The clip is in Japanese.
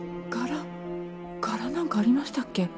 柄なんかありましたっけ？